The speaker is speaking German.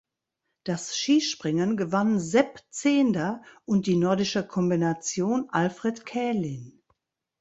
Das Skispringen gewann Sepp Zehnder und die Nordische Kombination Alfred Kälin.